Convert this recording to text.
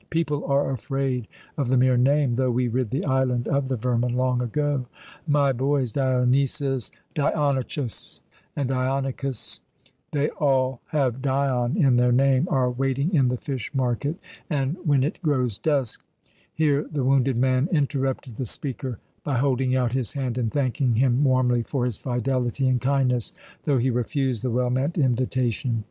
People are afraid of the mere name, though we rid the island of the vermin long ago. My boys Dionysus, Dionichus, and Dionikus they all have 'Dion' in their name are waiting in the fish market, and when it grows dusk " Here the wounded man interrupted the speaker by holding out his hand and thanking him warmly for his fidelity and kindness, though he refused the well meant invitation.